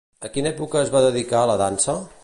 A quina època es va dedicar a la dansa?